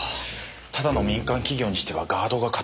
ただの民間企業にしてはガードが固すぎませんか？